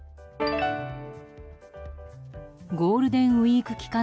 ゴールデンウィーク期間